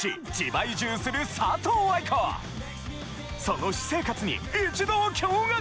その私生活に一同驚愕！